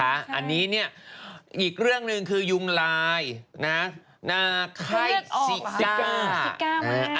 อันนี้เนี่ยอีกเรื่องหนึ่งคือยุงลายนะนาไข้สิจ้า